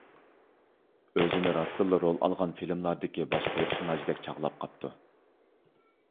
ئۆزىنى راستتىنلا رول ئالغان فىلىملاردىكى باش پېرسوناژدەك چاغلاپ قاپتۇ.